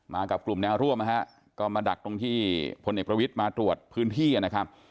กับกลุ่มแนวร่วมนะฮะก็มาดักตรงที่พลเอกประวิทย์มาตรวจพื้นที่นะครับ